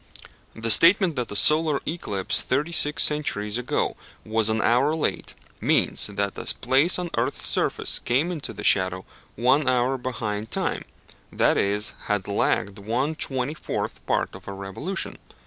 The statement that a solar eclipse thirty six centuries ago was an hour late, means that a place on the earth's surface came into the shadow one hour behind time that is, had lagged one twenty fourth part of a revolution.